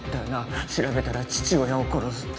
調べたら父親を殺すって。